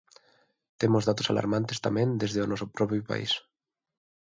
Temos datos alarmantes tamén desde o noso propio país.